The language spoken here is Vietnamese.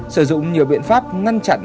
sử dụng nhiều biện pháp ngăn chặn